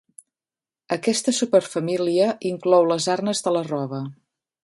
Aquesta superfamília inclou les arnes de la roba.